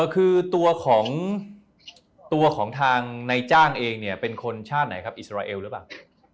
คือตัวของตัวของทางในจ้างเองเนี่ยเป็นคนชาติไหนครับอิสราเอลหรือเปล่า